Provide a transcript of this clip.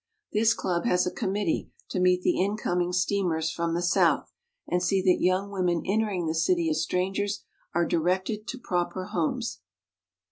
This club has a committee to meet the incoming steamers from the South and see that young women entering the city as strangers are directed to proper homes."